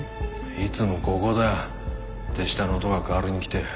いつもここで手下の男が代わりに来て。